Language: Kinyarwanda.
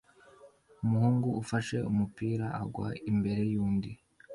Umuhungu ufashe umupira agwa imbere yundi\